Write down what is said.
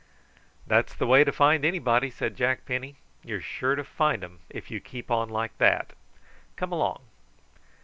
"That's the way to find anybody," said Jack Penny. "You're sure to find 'em if you keep on like that. Come along."